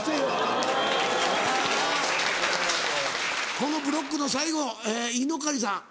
このブロックの最後イノカリさん。